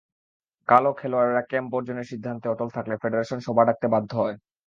কালও খেলোয়াড়েরা ক্যাম্প বর্জনের সিদ্ধান্তে অটল থাকলে ফেডারেশন সভা ডাকতে বাধ্য হয়।